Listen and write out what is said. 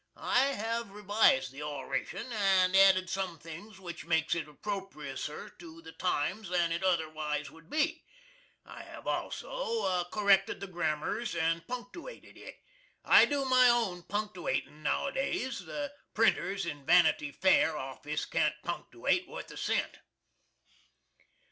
I have revised the orashun, and added sum things which makes it approposser to the times than it otherwise would be. I have also corrected the grammers and punktooated it. I do my own punktooatin now days. The Printers in "Vanity Fair" offiss can't punktooate worth a cent.